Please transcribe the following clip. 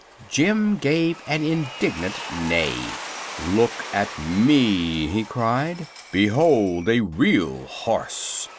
Jim gave an indignant neigh. "Look at me!" he cried. "Behold a real horse!"